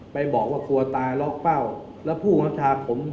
ไปบอกว่ากลัวตายล๊อคเป้าแล้วผู้ธรรมชาติผม